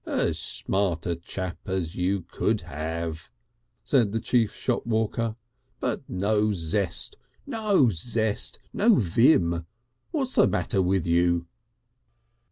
"As smart a chap as you could have," said the chief shopwalker, "but no Zest. No Zest! No Vim! What's the matter with you?"